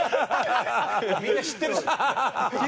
みんな知ってるしね。